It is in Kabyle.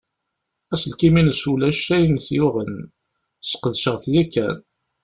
Aselkim-ines ulac ayen t-yuɣen. Sqedceɣ-t yakan.